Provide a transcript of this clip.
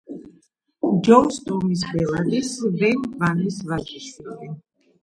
ჯოუს ტომის ბელადის ვენ ვანის ვაჟიშვილი.